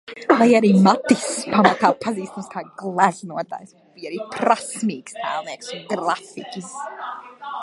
Lai arī Matiss pamatā pazīstams kā gleznotājs, viņš bija arī prasmīgs tēlnieks un grafiķis.